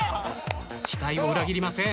期待を裏切りません。